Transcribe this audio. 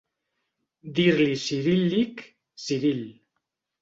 Dir-li ciríl·lic, Ciril.